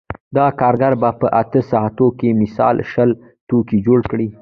دغه کارګر په اته ساعتونو کې مثلاً شل توکي جوړ کړي